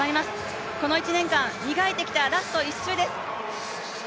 この１年間、磨いてきたラスト１周です。